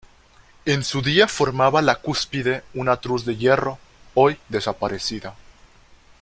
En su día formaba la cúspide una cruz de hierro hoy desaparecida.